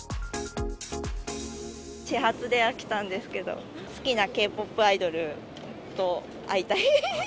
始発で来たんですけど、好きなＫ−ＰＯＰアイドルと会いたい。